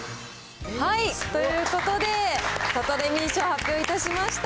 ということで、サタデミー賞発表いたしました。